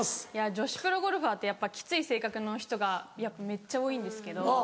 女子プロゴルファーってやっぱきつい性格の人がめっちゃ多いんですけど。